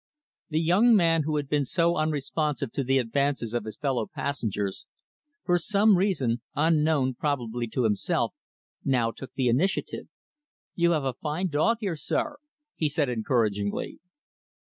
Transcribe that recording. The young man who had been so unresponsive to the advances of his fellow passengers, for some reason unknown, probably, to himself now took the initiative. "You have a fine dog here, sir," he said encouragingly.